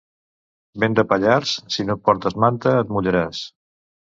Vent de Pallars, si no portes manta, et mullaràs.